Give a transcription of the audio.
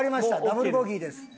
ダブルボギーです。